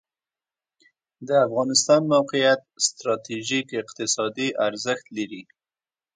د افغانستان موقعیت ستراتیژیک اقتصادي ارزښت لري